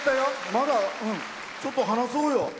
まだ、ちょっと話そうよ。